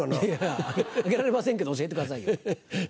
あげられませんけど教えてくださいよ。